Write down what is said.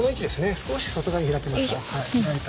少し外側に開けますか？